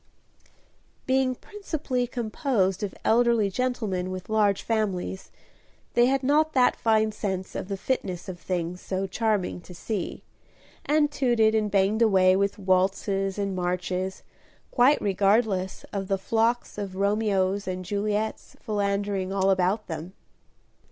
Being principally composed of elderly gentlemen with large families, they had not that fine sense of the fitness of things so charming to see, and tooted and banged away with waltzes and marches, quite regardless of the flocks of Romeos and Juliets philandering all about them.